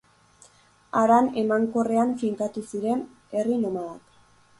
Haran emankorrean finkatu ziren herri nomadak.